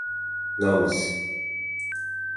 Намыс.